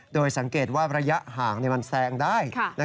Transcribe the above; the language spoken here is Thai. โดยสังเกตว่าระยะห่างมันแซงได้